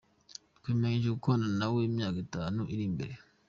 Twemeranyije gukorana nawe imyaka itanu iri imbere.